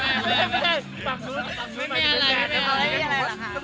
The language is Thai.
สรุปเป็นแฟนกันแล้วเหรอหรอ